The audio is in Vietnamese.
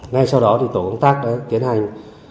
ngay sau đó tổ công tác đã tiến hành